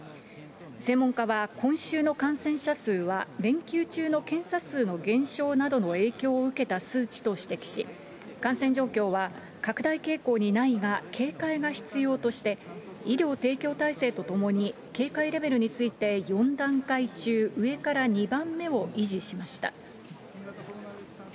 専門家は今週の感染者数は連休中の検査数の減少などの影響を受けた数値と指摘し、感染状況は拡大傾向にないが、警戒が必要として、医療提供体制とともに警戒レベルについて、４段階中上から２番目を維持しました。